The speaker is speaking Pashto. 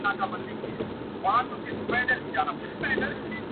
ستا په نوم به معبدونه ابادېږي -